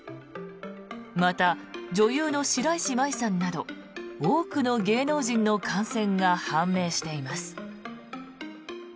また、女優の白石麻衣さんなど多くの芸能人の感染が判明しています。